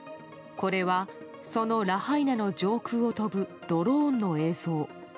これはそのラハイナの上空を飛ぶドローンの映像。